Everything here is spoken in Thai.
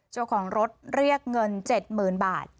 เจ้าของรถเรียกเงิน๗๐๐๐๐บาท